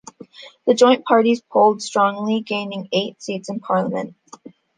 The joint parties polled strongly, gaining eight seats in Parliament.